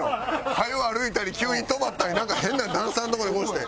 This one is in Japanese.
早う歩いたり急に止まったりなんか変な段差のとこでこうして。